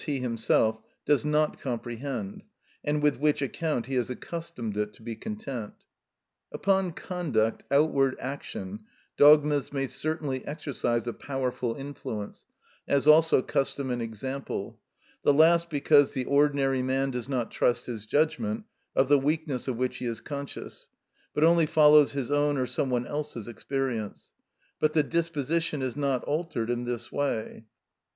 _, he himself, does not comprehend, and with which account he has accustomed it to be content. Upon conduct, outward action, dogmas may certainly exercise a powerful influence, as also custom and example (the last because the ordinary man does not trust his judgment, of the weakness of which he is conscious, but only follows his own or some one else's experience), but the disposition is not altered in this way.